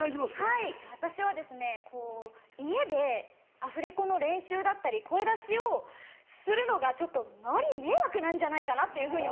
はい私は家でアフレコの練習だったり声出しをするのがちょっと周りに迷惑なんじゃないかなっていうふうに思って。